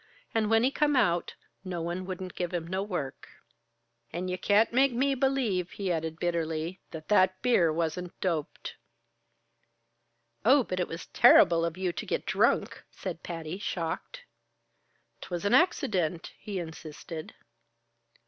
And when he come out, no one wouldn't give him no work. "An' ye can't make me believe," he added bitterly, "that that beer wasn't doped!" "Oh, but it was terrible of you to get drunk!" said Patty, shocked. "'Twas an accident," he insisted.